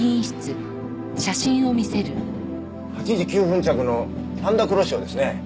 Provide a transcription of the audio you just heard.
８時９分着のパンダくろしおですね。